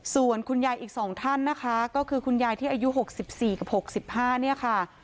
ส่วนคุณยายอีก๒ท่านนะคะก็คือคุณยายที่อายุ๖๔กับ๖๕เนี่ยค่ะ